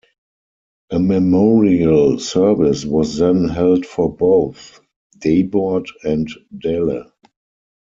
A memorial service was then held for both Dabord and Dele.